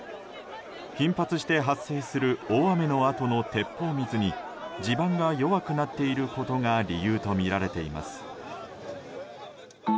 頻発して発生する大雨のあとの鉄砲水に地盤が弱くなっていることが理由とみられています。